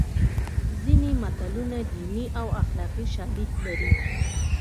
ځینې متلونه دیني او اخلاقي شالید لري